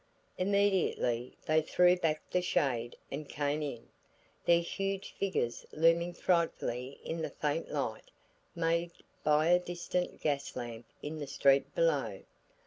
Immediately they threw back the shade and came in, their huge figures looming frightfully in the faint light made by a distant gas lamp in the street below.